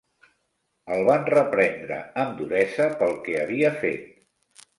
El van reprendre amb duresa pel que havia fet.